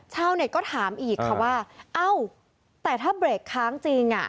ชาวเน็ตก็ถามอีกว่าแต่ถ้าเบรกค้างจริง